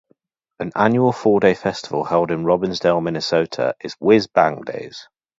An annual four-day festival held in Robbinsdale, Minnesota is Whiz Bang Days.